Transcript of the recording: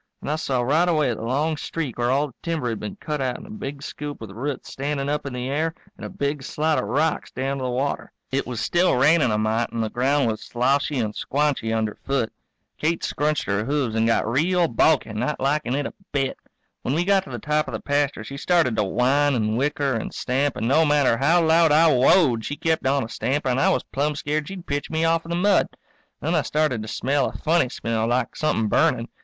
And I saw right away the long streak where all the timber had been cut out in a big scoop with roots standing up in the air and a big slide of rocks down to the water. It was still raining a mite and the ground was sloshy and squanchy under foot. Kate scrunched her hooves and got real balky, not likin' it a bit. When we got to the top of the pasture she started to whine and whicker and stamp, and no matter how loud I whoa ed she kept on a stamping and I was plumb scared she'd pitch me off in the mud. Then I started to smell a funny smell, like somethin' burning.